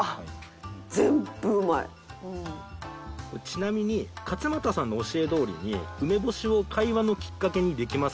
ちなみに勝俣さんの教えどおりに梅干しを会話のきっかけにできますかね？